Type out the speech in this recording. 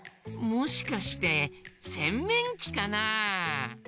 もしかしてせんめんきかな？